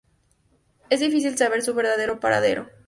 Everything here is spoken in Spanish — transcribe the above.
Es difícil saber su verdadero paradero.